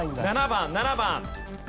７番７番。